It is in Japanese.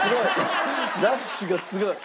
ラッシュがすごい。